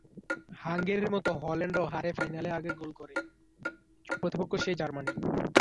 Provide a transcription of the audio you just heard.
হাঙ্গেরির মতো হল্যান্ডও হারে ফাইনালে আগে গোল করে, প্রতিপক্ষও সেই জার্মানি।